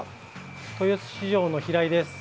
豊洲市場の平井です。